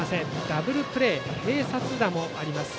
ダブルプレー、併殺打もあります。